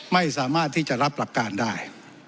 ไม่สามารถที่จะรับหลักการได้